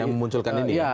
yang memunculkan ini ya